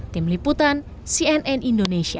tim liputan cnn indonesia